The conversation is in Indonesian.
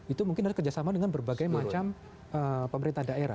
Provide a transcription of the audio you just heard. itu mungkin ada kerjasama dengan berbagai macam pemerintah daerah